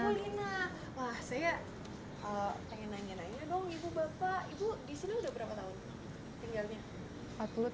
ibu lina wah saya pengen nanya nanya dong ibu bapak ibu disini udah berapa tahun tinggalnya